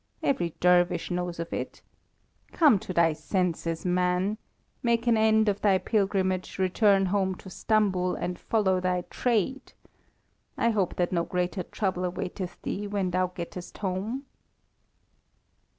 Every dervish knows of it. Come to thy senses, man! Make an end of thy pilgrimage, return home to Stambul, and follow thy trade. I hope that no greater trouble awaiteth thee when thou gettest home."